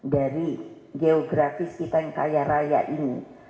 dari geografis kita yang kaya raya ini